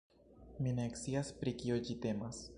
Mi ne scias pri kio ĝi temas